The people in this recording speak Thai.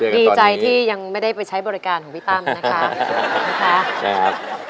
ดีใจที่ยังไม่ได้ไปใช้บริการของพี่ตั้มนะคะใช่ครับ